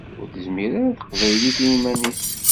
Ur tezmir ara teqbaylit i yiman-is?